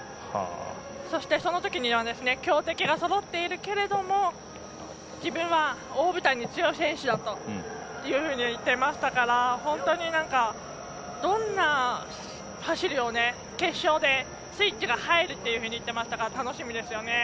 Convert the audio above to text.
そしてそのときには強敵がそろっているけれども自分は大舞台に強い選手だというふうに言っていましたから本当に、どんな走りを決勝でスイッチが入るのか楽しみですよね。